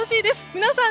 皆さん